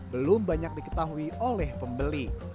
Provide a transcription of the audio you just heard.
belum banyak diketahui oleh pembeli